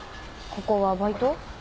ここはバイト？